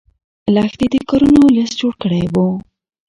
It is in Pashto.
لښتې د کارونو لست جوړ کړی و.